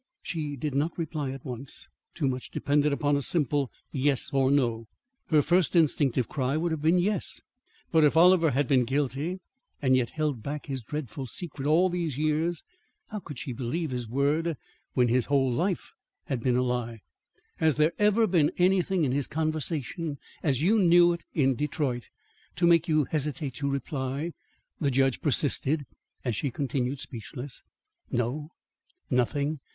She did not reply at once. Too much depended upon a simple yes or no. Her first instinctive cry would have been YES, but if Oliver had been guilty and yet held back his dreadful secret all these years, how could she believe his word, when his whole life had been a lie? "Has there ever been anything in his conversation as you knew it in Detroit to make you hesitate to reply?" the judge persisted, as she continued speechless. "No; nothing.